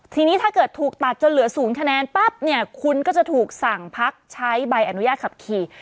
ทีนี้ถ้าเกิดถูกตัดจนเหลือ๐คะแนนปั๊บเนี่ยคุณก็จะถูกสั่งพักใช้ใบอนุญาตขับขี่